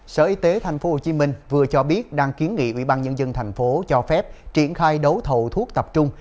sở y tế tp hcm vừa cho biết đang kiến nghị ủy ban nhân dân tp cho phép triển khai đấu thầu thuốc tập trung